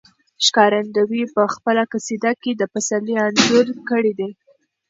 ښکارندوی په خپله قصیده کې د پسرلي انځور کړی دی.